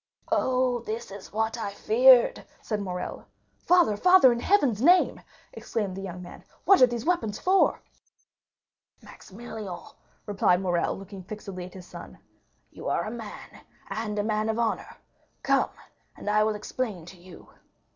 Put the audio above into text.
"Oh, this is what I feared!" said Morrel. "Father, father, in Heaven's name," exclaimed the young man, "what are these weapons for?" "Maximilian," replied Morrel, looking fixedly at his son, "you are a man, and a man of honor. Come, and I will explain to you."